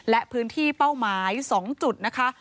และพื้นที่เป้าหมาย๒จุดนะคะ